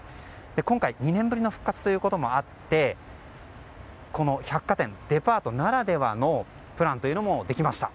今回、２年ぶりの復活ということもあってこの百貨店、デパートならではのプランもできました。